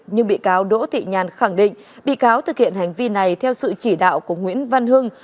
nhưng bị cáo đỗ thị nhàn khẳng định bị cáo thực hiện hành vi này theo sự chỉ đạo của nguyễn văn hưng